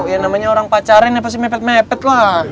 ya namanya orang pacaran ya pasti mepet mepet lah